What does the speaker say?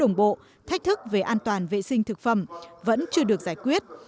đồng bộ thách thức về an toàn vệ sinh thực phẩm vẫn chưa được giải quyết